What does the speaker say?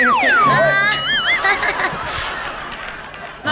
เรามา